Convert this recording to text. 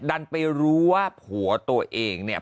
ดันไปรู้ว่าผัวตัวเองเนี่ย